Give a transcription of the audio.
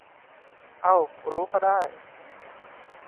เอ้า รู้ก็ได้